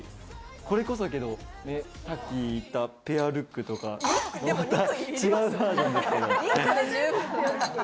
これこそだけど、さっきいったペアルックとかの違うバージョンですけど。